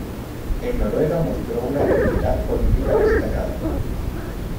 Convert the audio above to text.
En Noruega mostró una actividad política destacada.